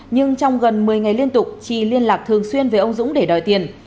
nhưng trong gần một mươi ngày liên tục chi liên lạc thường xuyên với ông dũng để đòi tiền